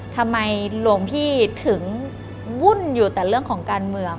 หลวงพี่ถึงวุ่นอยู่แต่เรื่องของการเมือง